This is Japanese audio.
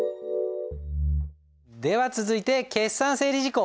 では続いて決算整理事項